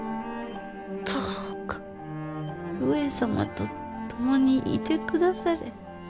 どうか上様と共にいて下され。